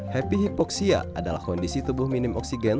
happy hipoksia adalah kondisi tubuh minim oksigen